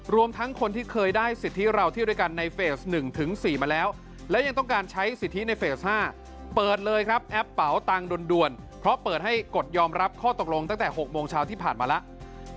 รวมทั้งคนที่เคยได้สิทธิเราเที่ยวด้วยกันในเฟส๑๔มาแล้วและยังต้องการใช้สิทธิในเฟส๕เปิดเลยครับแอปเป๋าตังค์ด่วนเพราะเปิดให้กดยอมรับข้อตกลงตั้งแต่๖โมงเช้าที่ผ่านมาแล้ว